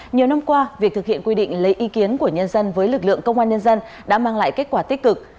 nhiều năm qua việc thực hiện quy định lấy ý kiến của nhân dân với lực lượng công an nhân dân đã mang lại kết quả tích cực